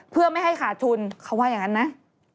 เพื่อไม่ให้ขาดทุนเขาว่าอย่างนั้นนะ